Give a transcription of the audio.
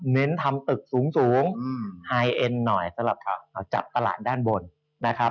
เน้นทำตึกสูงไฮเอ็นหน่อยสำหรับจับตลาดด้านบนนะครับ